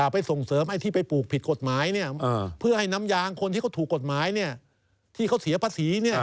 ไม่ส่งเสริมอย่างที่ปลูกผิดกฎหมายเพื่อให้คนที่ถูกกฎหมายซีอันห์ภาษี